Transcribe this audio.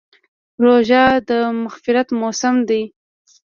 روژه د مغفرت موسم دی.